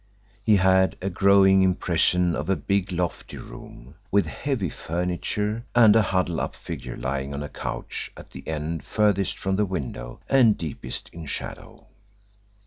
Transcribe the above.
He had a growing impression of a big lofty room, with heavy furniture, and a huddled up figure lying on a couch at the end furthest from the window and deepest in shadow.